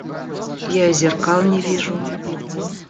Я и зеркал не вижу.